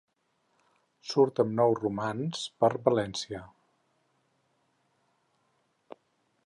Surt amb nou romans per València.